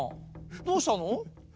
どうしたの？